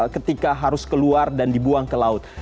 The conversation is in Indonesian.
ketika harus keluar dan dibuang ke laut